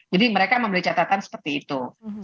jadi mereka memberi catatan seperti itu